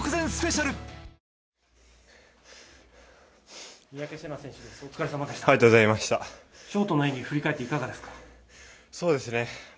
ショートの演技振り返っていかがですか？